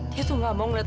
dia tuh gak mau ngeliat